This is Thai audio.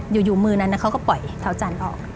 อยู่มือนั้นเขาก็ปล่อยเท้าจันทร์ออก